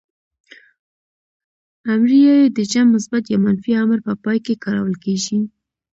امریه ئ د جمع مثبت يا منفي امر په پای کې کارول کیږي.